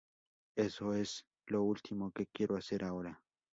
Eso es lo último que quiero hacer ahora.